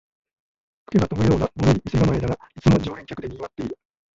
吹けば飛ぶようなボロい店構えだが、いつも常連客でにぎわってる